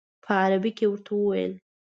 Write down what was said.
په عربي یې ورته وویل.